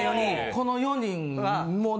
この４人。